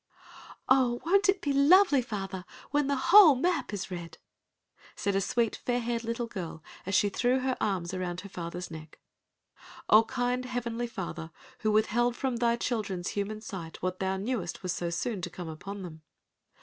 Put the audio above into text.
"Oh, won't it be lovely, father, when the whole map is red?" said a sweet fair haired little girl as she threw her arras about her father's neck. Oh kind Heavenly Father, who withheld from Thy children's human sight what Thou knewest was so soon to come upon them!